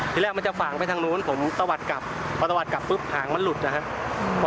ที่แรกมาจะฝ่างไปทางรุมผมก็วัดกลับก็สามารถกลับภายบ้านหลุดนะคะ